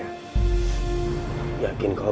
yakin kalau mama pasti sembuh